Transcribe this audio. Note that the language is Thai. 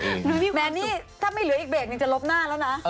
แต่นี่ถ้าไม่เหลืออีกเบรกหนึ่งจะลบหน้าแล้วนะ